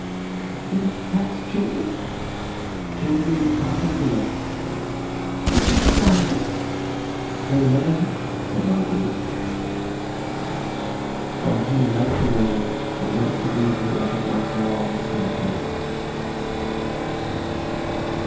"Then it attacks children?" "Children in particular." "Do people die of it?" "They may," said Marguerite. Fantine left the room and went to read her letter once more on the staircase.